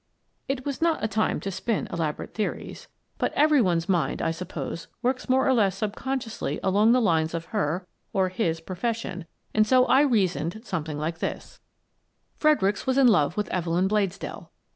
It was not a time to spin elaborate theories, but every one's mind, I suppose, works more or less subconsciously along the lines of her — or his — profession and so I reasoned somewhat like this: Fredericks was in love with Evelyn Bladesdell.